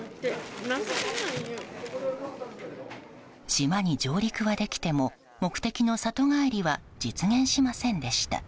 島に上陸はできても目的の里帰りは実現しませんでした。